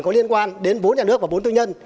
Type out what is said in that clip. có liên quan đến vốn nhà nước và vốn tư nhân